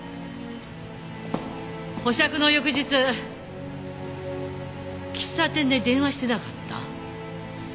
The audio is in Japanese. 保釈の翌日喫茶店で電話してなかった？